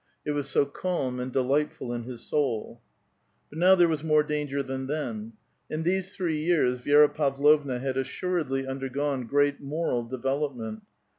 It was so calm and delightful in his soul. But now there was more danger than then. In these three years Vi6ra Pavlovna had assuredly undergone great moral development.